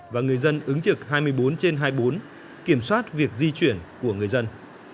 và người dân ứng trực hai mươi bốn trên hai mươi bốn kiểm soát việc di chuyển của người dân